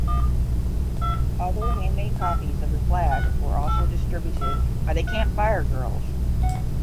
Other handmade copies of the flag were also distributed by the Camp Fire Girls.